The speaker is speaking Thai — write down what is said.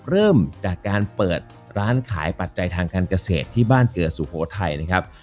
เริ่มจากการเปิดร้านขายปัจจัยทางการเกษตรที่บ้านเกิดสุโขทัยนะครับ